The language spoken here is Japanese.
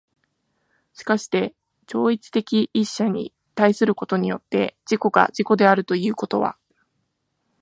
しかして超越的一者に対することによって自己が自己であるということは、